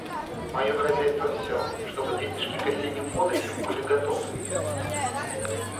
Мое хозяйство всё, чтобы денежки к осенним податям были готовы.